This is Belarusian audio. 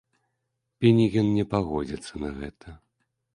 Пінігін не пагодзіцца на гэта.